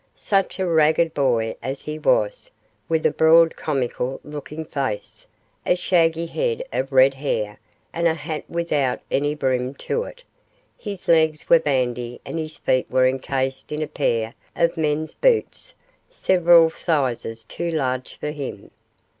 Such a ragged boy as he was, with a broad comical looking face a shaggy head of red hair and a hat without any brim to it his legs were bandy and his feet were encased in a pair of men's boots several sizes too large for him.